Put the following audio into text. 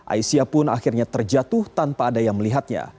aisyah pun akhirnya terjatuh tanpa ada yang melihatnya